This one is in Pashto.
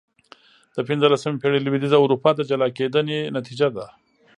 د پنځلسمې پېړۍ لوېدیځه اروپا د جلا کېدنې نتیجه ده.